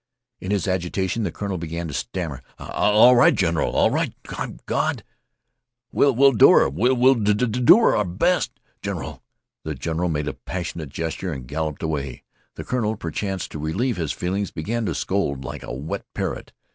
In his agitation the colonel began to stammer. "A all r right, General, all right, by Gawd! We we'll do our we we'll d d do do our best, General." The general made a passionate gesture and galloped away. The colonel, perchance to relieve his feelings, began to scold like a wet parrot.